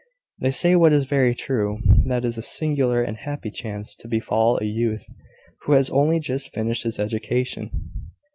They say what is very true, that it is a singular and happy chance to befall a youth who has only just finished his education."